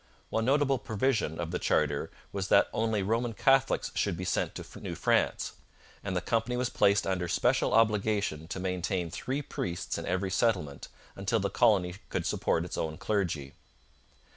One notable provision of the charter was that only Roman Catholics should be sent to New France, and the company was placed under special obligation to maintain three priests in each settlement until the colony could support its own clergy.